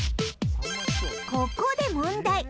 ここで問題！